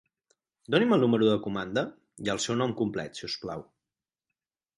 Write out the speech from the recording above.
Doni'm el número de comanda i el seu nom complet si us plau.